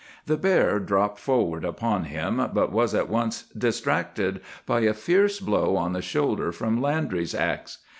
"The bear dropped forward upon him, but was at once distracted by a fierce blow on the shoulder from Landry's axe.